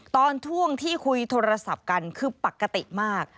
ตอนช่วงที่คุยโทรศัพท์กันคือปกติมาก